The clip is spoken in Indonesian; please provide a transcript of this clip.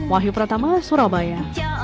wahyu pertama surabaya